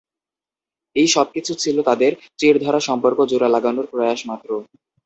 এই সবকিছু ছিল তাঁদের চিড় ধরা সম্পর্ক জোড়া লাগানোর প্রয়াস মাত্র।